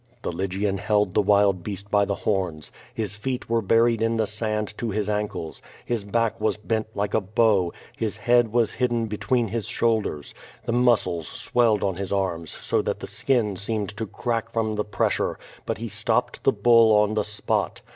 The Lygian held the wild beast by the horns. His feet were buried in the sand to his ankles. His back was bent like a bow. His head was hidden between his shoulders. The muscles swelled on his arms so that the skin seemed to crack from the pressure, but he stopped the bull on the spot.